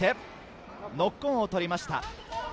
ノックオンを取りました。